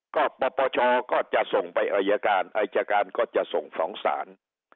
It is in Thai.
ก็ปปชก็จะส่งไปอายการอายการก็จะส่งฟ้องศาล